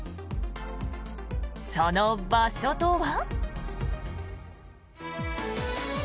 その場所とは。